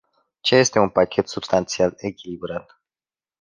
Ce este un pachet substanțial echilibrat?